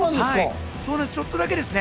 ちょっとだけですね。